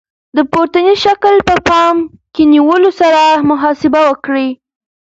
د پورتني شکل په پام کې نیولو سره محاسبه وکړئ.